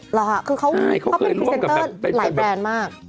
หรอค่ะคือเขาเป็นพรีเซนเตอร์หลายแบรนด์มาก